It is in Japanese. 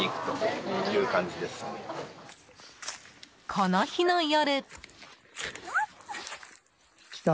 この日の夜。